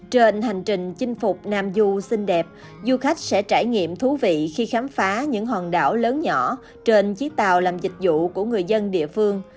trên hành trình chinh phục nam du xinh đẹp du khách sẽ trải nghiệm thú vị khi khám phá những hòn đảo lớn nhỏ trên chiếc tàu làm dịch vụ của người dân địa phương